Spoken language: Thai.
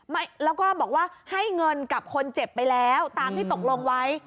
ไม่แล้วก็บอกว่าให้เงินกับคนเจ็บไปแล้วตามที่ตกลงไว้